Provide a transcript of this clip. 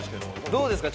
どうですか？